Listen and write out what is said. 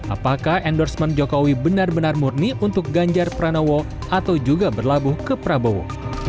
apakah endorsement jokowi benar benar murni untuk ganjar pranowo atau juga berlabuh ke prabowo